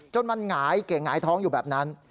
จนมันหงายเก๋หงายท้องอยู่แบบนั้น